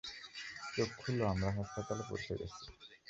চোখ খুলো আমরা হাসপাতালে পৌঁছে গেছি।